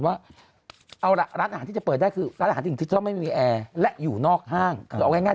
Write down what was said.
ว่าเอาล่ะร้านอาหารที่จะเปิดได้คือร้านอาหารที่เธอไม่มีแอร์และอยู่นอกห้างคือเอาง่าย